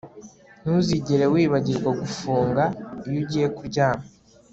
Ntuzigere wibagirwa gufunga iyo ugiye kuryama